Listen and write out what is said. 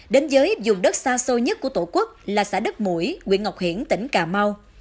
đến giới dùng đất xa sâu nhất của tổ quốc là xã đất mũi nguyện ngọc hiển tỉnh cà mau